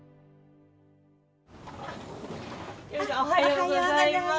おはようございます。